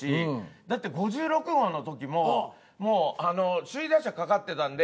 だって５６号の時ももう首位打者かかってたんで。